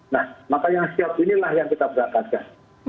nah maka yang siap inilah yang kita berangkatkan